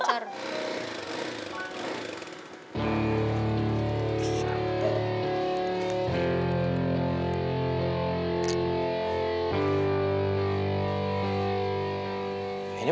gak ada temennya